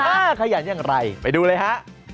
ขยันอย่างไรไปดูเลยฮะ